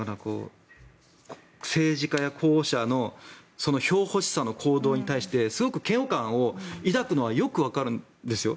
政治家や候補者の票欲しさの行動に対してすごく嫌悪感を抱くのはよくわかるんですよ。